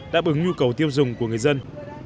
đã bứng nhu cầu tiêu dùng của người dân